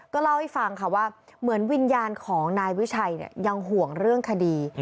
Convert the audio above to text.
ก็เล่าให้ฟังค่ะว่าเหมือนวิญญาณของนายวิชัยยังห่วงเรื่องคดี